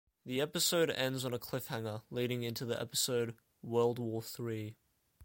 The episode ends on a cliffhanger, leading into the episode "World War Three".